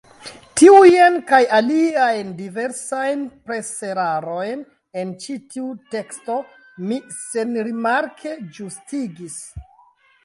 Tiujn, kaj aliajn diversajn preserarojn en ĉi tiu teksto, mi senrimarke ĝustigis.